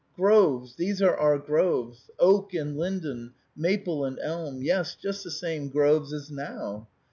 Groves; these are our groves — oak and linden, maple and elm ; yes, just the same groves as now.